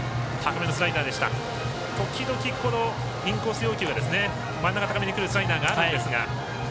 時々、インコース要求真ん中高めに浮くスライダーがあるんですが。